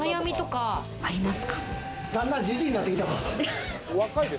最だんだんジジイになってきた。